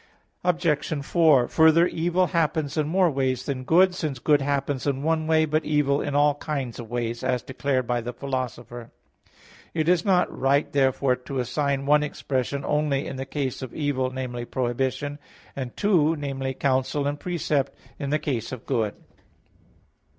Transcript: Obj. 4: Further, evil happens in more ways than good, since "good happens in one way, but evil in all kinds of ways," as declared by the Philosopher (Ethic. ii, 6), and Dionysius (Div. Nom. iv, 22). It is not right therefore to assign one expression only in the case of evil namely, prohibition and two namely, counsel and precept in the case of good.